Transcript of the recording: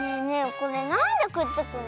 これなんでくっつくの？